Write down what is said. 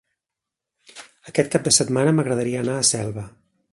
Aquest cap de setmana m'agradaria anar a Selva.